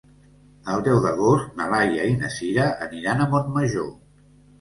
El deu d'agost na Laia i na Sira aniran a Montmajor.